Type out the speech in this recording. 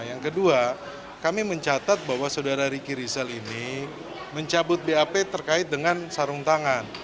yang kedua kami mencatat bahwa saudara riki rizal ini mencabut bap terkait dengan sarung tangan